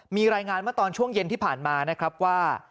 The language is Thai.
มีรายงานเมื่อตอนช่วงเย็นที่ผ่านมานะครับว่า